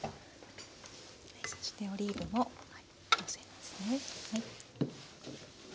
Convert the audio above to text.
そしてオリーブものせますね。